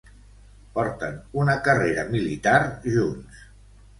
Porten una carrera militar junts.